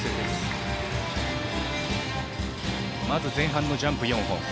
まず前半のジャンプ４本。